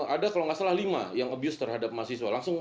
ada kalau nggak salah lima yang abuse terhadap mahasiswa langsung